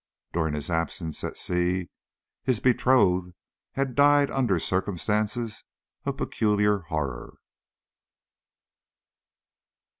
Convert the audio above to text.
During his absence at sea his betrothed had died under circumstances of peculiar horror.